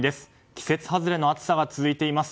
季節外れの暑さが続いています。